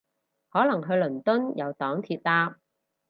可能去倫敦有黨鐵搭